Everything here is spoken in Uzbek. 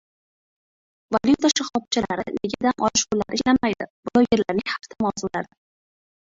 «Valuta shoxobchalari nega dam olish kunlari ishlamaydi?» - Blogerlarning hafta mavzulari